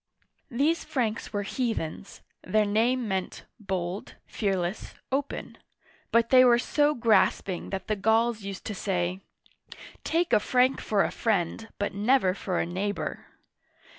These Franks were heathen ; their name meant " bold, fearless, open "; but they were so grasping that the Gauls used to say, Take a Frank for a friend, but never for a neighbor